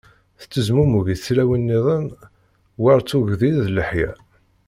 Tettezmumug i tlawin-niḍen war tuggdi d leḥya.